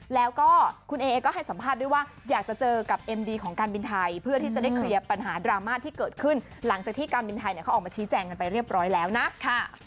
แล้วก็คุณเอเองก็ให้สัมภาษณ์ด้วยว่าอยากจะเจอกับเอ็มดีของการบินไทยเพื่อที่จะได้เคลียร์ปัญหาดราม่าที่เกิดขึ้นหลังจากที่การบินไทยเขาออกมาชี้แจงกันไปเรียบร้อยแล้วนะค่ะ